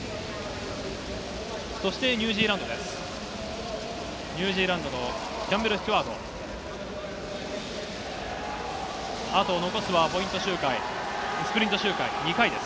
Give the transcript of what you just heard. そしてニュージーランドです。